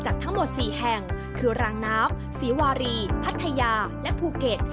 ทั้งหมด๔แห่งคือรางน้ำศรีวารีพัทยาและภูเก็ต